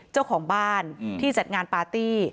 เจ้าของบ้านที่จัดงานปาร์ตี้